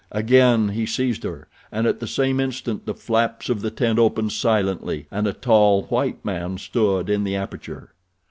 Again he seized her, and at the same instant the flaps of the tent opened silently and a tall white man stood in the aperture.